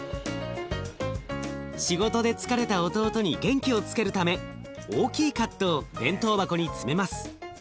仕事で疲れた弟に元気をつけるため大きいカットを弁当箱に詰めます。